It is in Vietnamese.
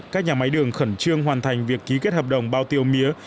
các nhà máy đường khẩn trương hoàn thành việc ký kết hợp đồng bao tiêu mía